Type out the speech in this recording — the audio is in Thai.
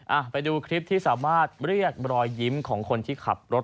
อ่ะไปดูคลิปที่สามารถเรียกรอยยิ้มของคนที่ขับรถ